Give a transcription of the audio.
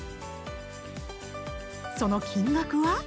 その金額は？